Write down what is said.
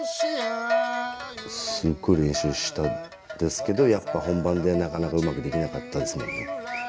すっごい練習したんですけどやっぱ本番でなかなかうまくできなかったですもんね。